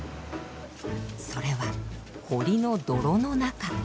それは堀の泥の中。